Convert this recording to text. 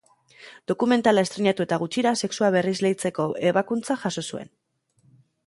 Dokumentala estreinatu eta gutxira sexua berresleitzeko ebakuntza jaso zuen.